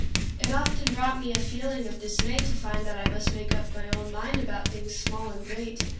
It often brought me a feeling of dismay to find that I must make up my own mind about things small and great.